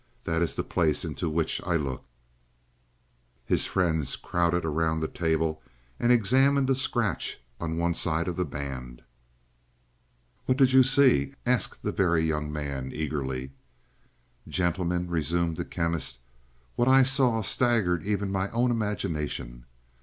That is the place into which I looked." His friends crowded around the table and examined a scratch on one side of the band. "What did you see?" asked the Very Young Man eagerly. "Gentlemen," resumed the Chemist, "what I saw staggered even my own imagination.